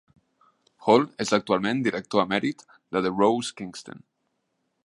Hall és actualment director emèrit de The Rose Kingston.